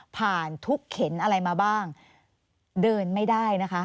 ทุกเข็นอะไรมาบ้างเดินไม่ได้นะคะ